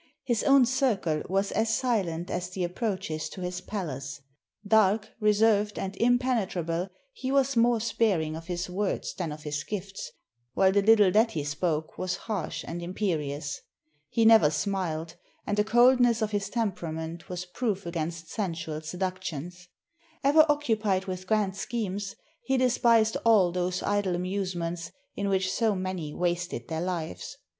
His own circle was as silent as the approaches to his palace: dark, reserved, and impenetrable, he was more sparing of his words than of his gifts; while the little that he spoke was harsh and imperious. He never smiled, and the coldness of his temperament was proof against sensual seductions. Ever occupied with grand schemes, he despised all those idle amusements in which so many wasted their lives.